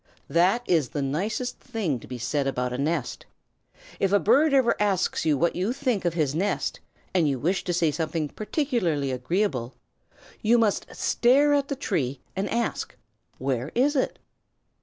That is the nicest thing to be said about a nest. If a bird ever asks you what you think of his nest, and you wish to say something particularly agreeable, you must stare at the tree and ask: "Where is it?"